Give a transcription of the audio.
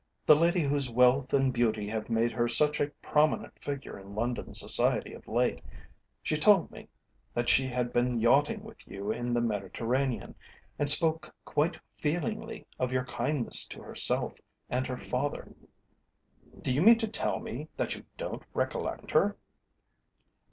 "The lady whose wealth and beauty have made her such a prominent figure in London Society of late. She told me that she had been yachting with you in the Mediterranean, and spoke quite feelingly of your kindness to herself and her father. Do you mean to tell me that you don't recollect her?"